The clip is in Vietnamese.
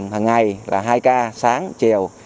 hằng ngày là hai ca sáng chiều